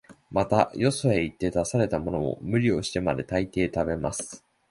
また、よそへ行って出されたものも、無理をしてまで、大抵食べます